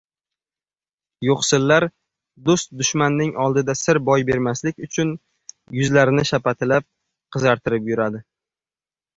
• Yo‘qsillar do‘st-dushmanning oldida sir boy bermaslik uchun yuzlarini shapatilab, qizartirib yuradi.